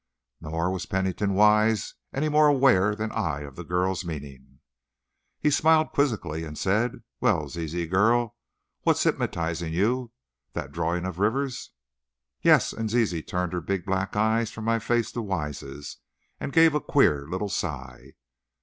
Nor was Pennington Wise any more aware than I of the girl's meaning. He smiled quizzically, and said, "Well, Zizi, girl, what's hypnotizing you? That drawing of Rivers'?" "Yes," and Zizi turned her big black eyes from my face to Wise's, and gave a queer little sigh.